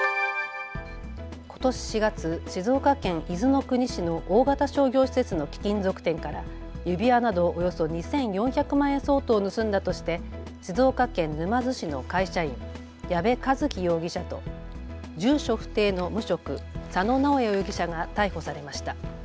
ことし４月、静岡県伊豆の国市の大型商業施設の貴金属店から指輪などおよそ２４００万円相当を盗んだとして静岡県沼津市の会社員、矢部和希容疑者と住所不定の無職、佐野直也容疑者が逮捕されました。